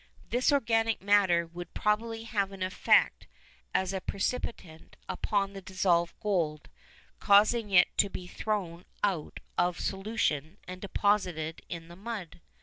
This organic matter would possibly have an effect as a precipitant upon the dissolved gold, causing it to be thrown out of solution and deposited in the mud.